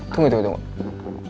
tunggu tunggu tunggu